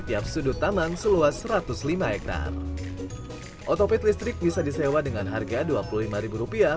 tiap sudut taman seluas satu ratus lima hektare otopet listrik bisa disewa dengan harga dua puluh lima rupiah